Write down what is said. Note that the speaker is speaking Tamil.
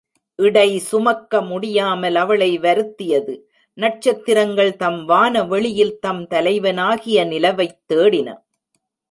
இடை சுமக்க முடியாமல் அவளை வருத்தியது. நட்சத்திரங்கள் தம் வானவெளியில் தம் தலைவனாகிய நிலவைத் தேடின.